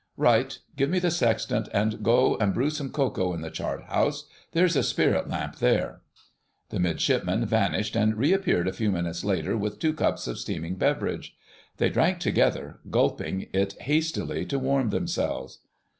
"Right: give me the sextant and go and brew some cocoa in the chart house. There's a spirit lamp there." The Midshipman vanished and reappeared a few minutes later with two cups of steaming beverage. They drank together, gulping it hastily to warm themselves.